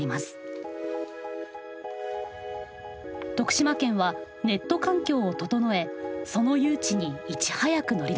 徳島県はネット環境を整えその誘致にいち早く乗り出しました。